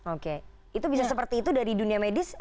oke itu bisa seperti itu dari dunia medis